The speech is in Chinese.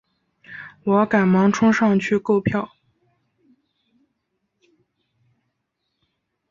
我赶忙冲上去购票